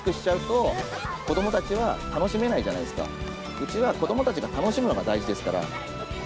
うちは子どもたちが楽しむのが大事ですから。